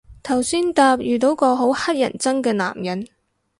頭先搭遇到個好乞人憎嘅男人